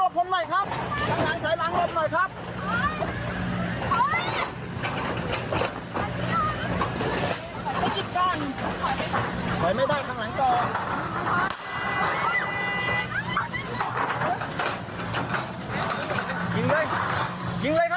ขอยไม่ได้ข้างหลังจุด